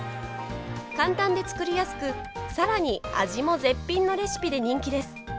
簡単で作りやすく、さらに味も絶品のレシピで人気です。